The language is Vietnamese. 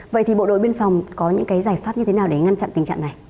vậy thì bộ đội biên phòng có những cái giải pháp như thế nào để ngăn chặn tình trạng này